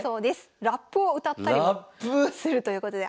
ラップを歌ったりもするということで。